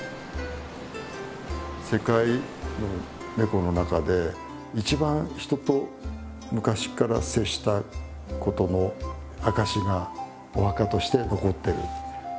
世界のネコの中で一番人と昔から接したことの証しがお墓として残ってる。